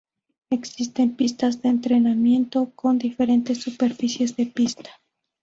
Existen pistas de entrenamiento con diferentes superficies de pista.